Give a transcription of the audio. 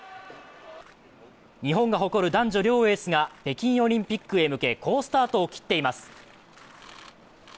日本が誇る男女両エースが北京オリンピックへ向け好スタートを切っています。